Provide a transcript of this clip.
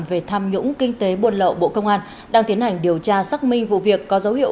về tham nhũng kinh tế buôn lậu bộ công an đang tiến hành điều tra xác minh vụ việc có dấu hiệu